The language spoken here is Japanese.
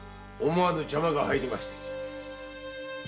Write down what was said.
思わぬ邪魔が入りまして。